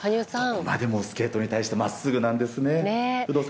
どこまでもスケートに対して真っすぐなんですね。